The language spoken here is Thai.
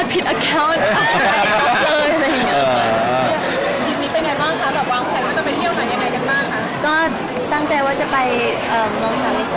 คลิปนี้เป็นไงบ้างค่ะวางแผนว่าจะไปเที่ยวใหม่ยังไงกันบ้างค่ะ